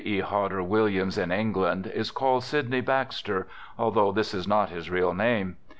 E. Hodder Williams in England is called Sydney Baxter, although this is not his real name.